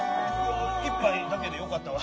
１杯だけでよかったわ。